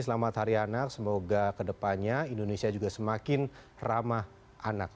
selamat hari anak semoga kedepannya indonesia juga semakin ramah anak